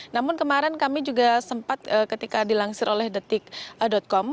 namun kemarin kami juga sempat ketika dilansir oleh detik com